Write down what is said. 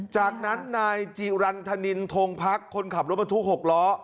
จากนั้นนายจีรันทนินทงพักคนขับรถบรรทุก๖ล้อ